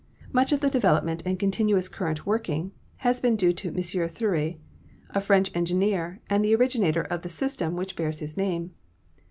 Much of the development in continuous current working has been due to M. Thury, a French engineer, and the originator of the system which bears his name.